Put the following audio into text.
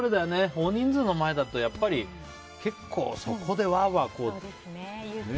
大人数の前だとやっぱり結構そこでワーワーね。